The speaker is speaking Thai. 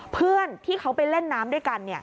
เพื่อนที่เขาไปเล่นน้ำด้วยกัน